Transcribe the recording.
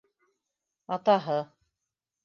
Атаһы.